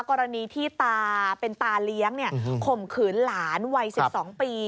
กรณีที่ตาเป็นตาเลี้ยงข่มขืนหลานวัย๑๒ปี